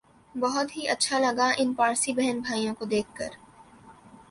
ہت ھی اچھا لگا ان پارسی بہن بھائیوں کو دیکھ کر